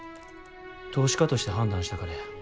投資家として判断したからや。